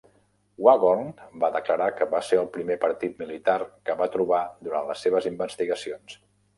Waghorn va declarar que va ser el primer partit militar que va trobar durant les seves investigacions.